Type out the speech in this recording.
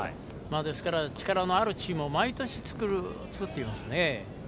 ですから、力のあるチームを毎年作っていますね。